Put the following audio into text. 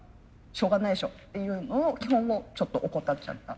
しょうがないでしょっていうのを基本をちょっと怠っちゃった。